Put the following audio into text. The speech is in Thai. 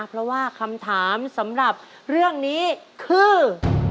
เพราะว่าคำถามสำหรับเรื่องนี้คือ